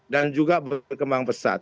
dan juga berkembang pesat